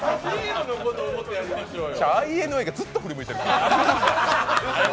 ＩＮＩがずっと振り向いてる。